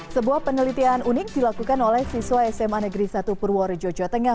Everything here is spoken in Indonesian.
sebuah penelitian unik dilakukan oleh siswa sma negeri satu purworejo jawa tengah